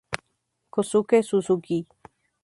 Kosuke Suzuki